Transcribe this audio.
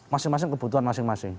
masing masing kebutuhan masing masing